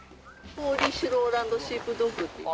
ポリッシュ・ローランド・シープドッグっていって。